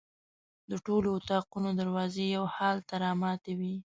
د ټولو اطاقونو دروازې یو حال ته رامتې وې.